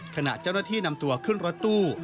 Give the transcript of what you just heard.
ขณะเจ้าหน้าที่นำตัวขึ้นรถตู้